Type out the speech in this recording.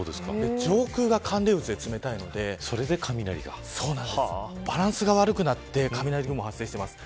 上空が、寒冷渦で冷たいのでバランスが悪くなって雷雲が発生します。